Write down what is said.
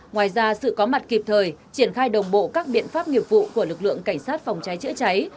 ngoài ra sự có mặt kịp thời triển khai đồng bộ các biện pháp nghiệp vụ của lực lượng cảnh sát phòng cháy chữa cháy